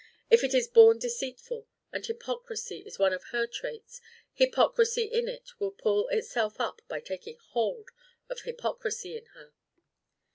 If it is born deceitful, and hypocrisy is one of her traits, hypocrisy in it will pull itself up by taking hold of hypocrisy in her.